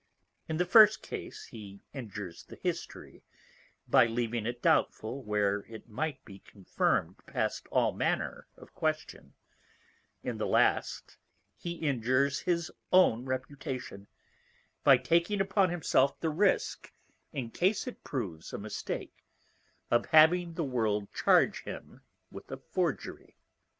In the first Case he injures the History, by leaving it doubtful where it might be confirm'd past all manner of question; in the last he injures his own Reputation, by taking upon himself the Risque, in case it proves a Mistake, of having the World charge him with a Forgery.